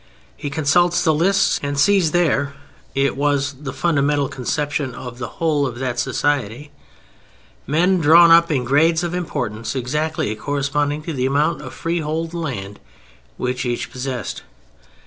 He consults the lists and sees there (it was the fundamental conception of the whole of that society) men drawn up in grades of importance exactly corresponding to the amount of freehold land which each possessed.